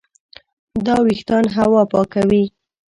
دا وېښتان هوا پاکوي.